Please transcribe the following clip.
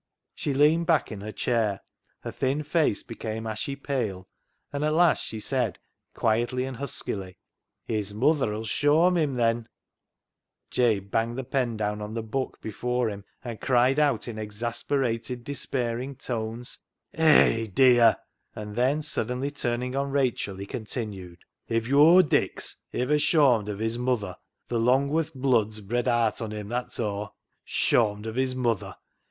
She leaned back in her chair, her thin face became ashy pale, and at last she said, quietly and huskily —" His muther 'ull shawm [shame] him, then ?" Jabe banged the pen down on the book before him, and cried out in exasperated, despairing tones —" Hay, dear !" and then, suddenly turning on Rachel, he continued, " If yo'r Dick's iver shawmed of his muther, th' Longworth blood's bred aat on him, that's aw ! Shawmed of his muther